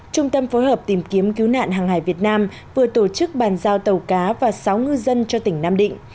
trung tâm phối hợp tìm kiếm cứu nạn hàng hải việt nam vừa tổ chức bàn giao tàu cá và sáu ngư dân cho tỉnh nam định